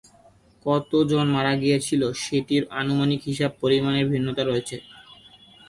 কত জন মারা গিয়েছিল সেটির আনুমানিক হিসাবে পরিমাণের ভিন্নতা রয়েছে।